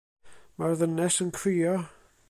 Mae'r ddynes yn crio.